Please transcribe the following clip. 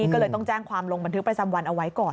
ก็เลยต้องแจ้งความลงบันทึกประจำวันเอาไว้ก่อน